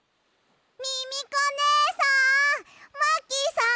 ミミコねえさん！